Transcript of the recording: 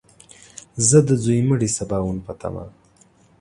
زه د ځوی مړي سباوون په تمه !